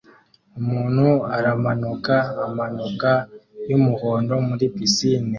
Umuntu aramanuka amanuka yumuhondo muri pisine